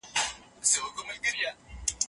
د زده کړې له لارې، خلک د خپلې ټولنې فعال غړي کیږي.